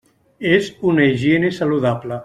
És una higiene saludable.